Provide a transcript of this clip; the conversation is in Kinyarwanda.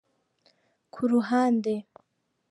kuruhande.